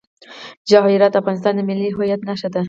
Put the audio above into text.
جواهرات د افغانستان د ملي هویت نښه ده.